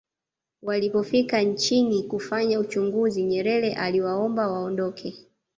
walipofika nchini kufanya uchunguzi nyerere aliwaomba waondoke